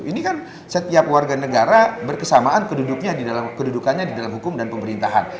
ini kan setiap warga negara berkesamaan kedudukannya di dalam hukum dan pemerintahan